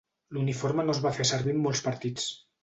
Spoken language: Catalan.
L'uniforme no es va fer servir en molts partits.